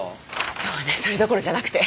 今日はねそれどころじゃなくて。